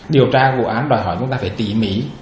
điều tra vụ án đòi hỏi chúng ta phải tỉ mỉ